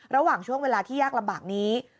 ระหว่างช่วงเวลาที่ยากลำบากนี้